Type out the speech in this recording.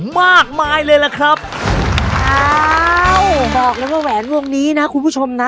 มากมายเลยล่ะครับอ้าวบอกเลยว่าแหวนวงนี้นะคุณผู้ชมนะ